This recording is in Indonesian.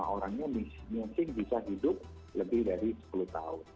lima orangnya mungkin bisa hidup lebih dari sepuluh tahun